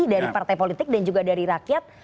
dari partai politik dan juga dari rakyat